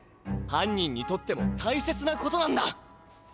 はんにんにとっても大切なことなんだ！